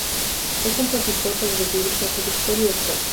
Fue compositor, arreglista, productor y actor.